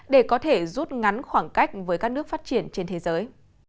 để có thể rút ngắn khoảng cách với các nước phát triển trên thế giới